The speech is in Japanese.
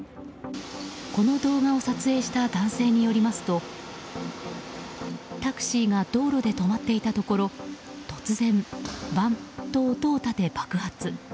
この動画を撮影した男性によりますとタクシーが道路で止まっていたところ突然、バンッと音を立て爆発。